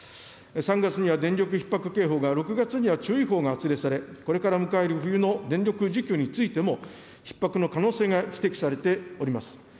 ３月には電力ひっ迫警報が、６月には注意報が発令され、これから迎える冬の電力需給についても、ひっ迫の可能性が指摘されております。